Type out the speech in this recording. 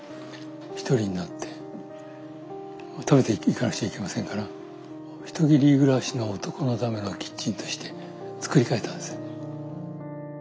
ひとりになって食べていかなくちゃいけませんからひとり暮らしの男のためのキッチンとして作り変えたんです。